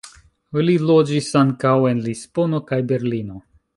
Li loĝis ankaŭ en Lisbono kaj Berlino.